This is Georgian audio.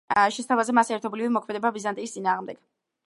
შესთავაზა მას ერთობლივი მოქმედება ბიზანტიის წინააღმდეგ.